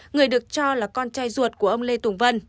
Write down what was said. người được cho là con trai ruột của ông lê tùng vân